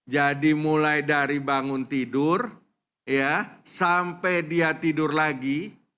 jadi mulai dari bangun tidur ya sampai dia tidur lagi